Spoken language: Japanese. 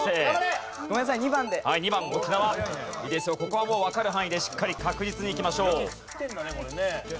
ここはもうわかる範囲でしっかり確実にいきましょう。